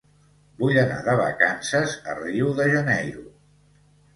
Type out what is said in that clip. Vull anar de vacances a Rio de Janeiro.